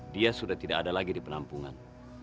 dia sudah tidak ada lagi di penampungan